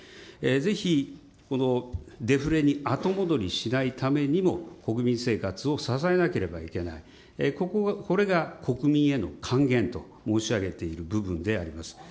ぜひこのデフレに後戻りしないためにも、国民生活を支えなければいけない、これが国民への還元と申し上げている部分であります。